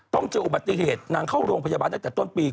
ต้องเจออุบัติเหตุนางเข้าโรงพยาบาลตั้งแต่ต้นปี